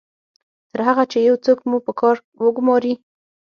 تر هغه چې یو څوک مو په کار وګماري